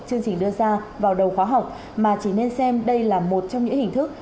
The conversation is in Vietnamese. chương trình đưa ra vào đầu khóa học mà chỉ nên xem đây là một trong những hình thức